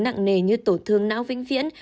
nặng nề như tổ thương não vinh viễn